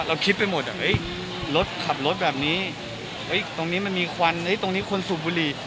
ที่เราคิดไปหมดขับรถแบบนี้ตรงนี้มันมีด้วยควันตรงนี้มีคนสูบบุรี